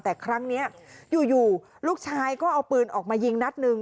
แต่ครั้งนี้อยู่ลูกชายก็เอาปืนออกมายิงนัดหนึ่ง